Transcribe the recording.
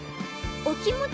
お気持ち？